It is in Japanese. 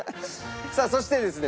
さあそしてですね